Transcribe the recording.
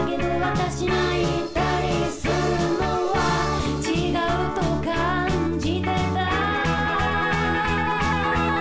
「私泣いたりするのは違うと感じてた」